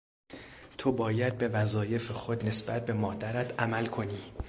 تو باید به وظایف خود نسبت به مادرت عمل کنی.